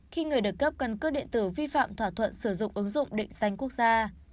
khi người được cấp căn cước điện tử vi phạm thỏa thuận sử dụng ứng dụng định danh quốc gia